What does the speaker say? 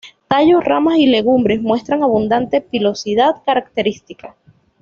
Tallos, ramas y legumbres muestran abundante pilosidad característica.